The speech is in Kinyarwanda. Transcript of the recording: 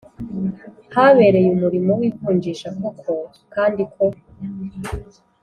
habereye umurimo w ivunjisha koko kandi ko